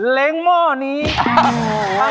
เล็งหม้อนี้ครับ